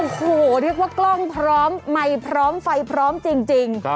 โอ้โหเรียกว่ากล้องพร้อมไมค์พร้อมไฟพร้อมจริง